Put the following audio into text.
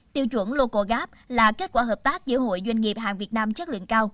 tiêu chuẩn locogap là kết quả hợp tác giữa hội doanh nghiệp hàng việt nam chất lượng cao